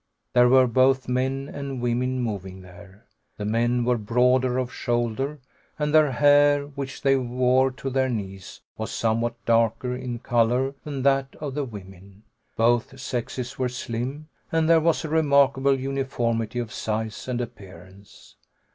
There were both men and women moving there. The men were broader of shoulder, and their hair, which they wore to their knees, was somewhat darker in color than that of the women. Both sexes were slim, and there was a remarkable uniformity of size and appearance.